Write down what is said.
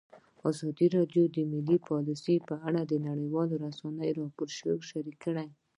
ازادي راډیو د مالي پالیسي په اړه د نړیوالو رسنیو راپورونه شریک کړي.